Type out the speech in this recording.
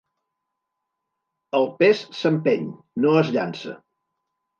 El pes s'empeny, no es llança.